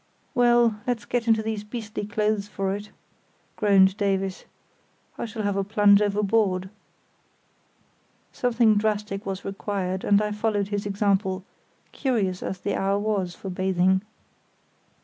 "Well, let's get into these beastly clothes for it," groaned Davis. "I shall have a plunge overboard." Something drastic was required, and I followed his example, curious as the hour was for bathing.